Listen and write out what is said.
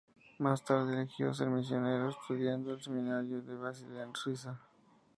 Más tarde eligió ser misionero, estudiando en el seminario de Basilea, Suiza.